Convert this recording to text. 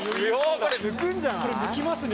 これ抜きますね。